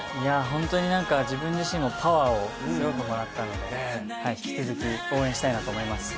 本当に自分自身もパワーをすごくもらったので引き続き応援したいなと思います。